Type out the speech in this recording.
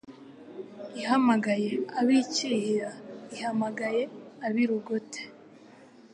Ihamagaye ab'i Cyihira Ihamagaye ab'i Rugote,